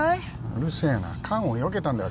うるせえな缶をよけたんだよ